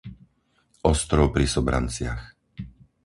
Ostrov pri Sobranciach